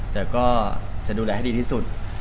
แต่ก็จะดูแลให้ดีที่สุด